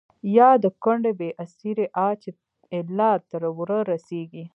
يا َد کونډې بې اسرې آه چې ا يله تر ورۀ رسيږي